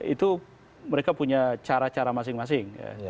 itu mereka punya cara cara masing masing